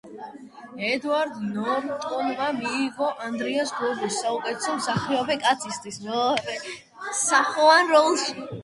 ედვარდ ნორტონმა მიიღო ოქროს გლობუსი საუკეთესო მსახიობი კაცისთვის მეორეხარისხოვან როლში.